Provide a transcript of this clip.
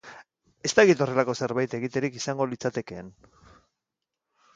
Ez dakit horrelako zerbait egiterik izango litzatekeen.